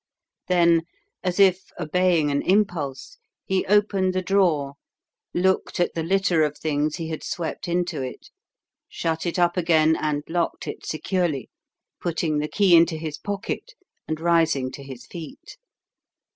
Then, as if obeying an impulse, he opened the drawer, looked at the litter of things he had swept into it, shut it up again and locked it securely, putting the key into his pocket and rising to his feet.